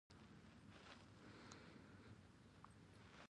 اوښ د افغانستان د چاپیریال د مدیریت لپاره مهم دي.